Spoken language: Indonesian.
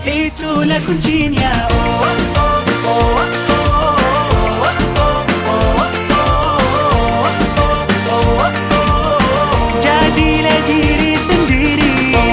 itulah kuncinya oh oh oh jadilah diri sendiri